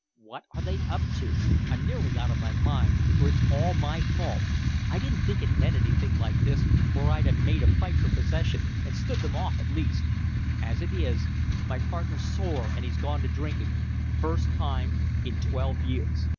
What are they up to? I'm nearly out of my mind, for it's all my fault. I didn't think it meant anything like this or I'd have made a fight for possession and stood them off at least. As it is, my partner's sore and he's gone to drinking first time in twelve years.